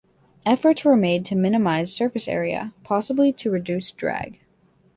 Efforts were made to minimise surface-area, possibly to reduce drag.